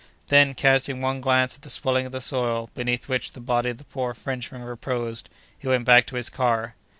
Then, casting one glance at the swelling of the soil, beneath which the body of the poor Frenchman reposed, he went back to his car.